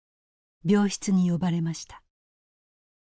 病室に呼ばれました。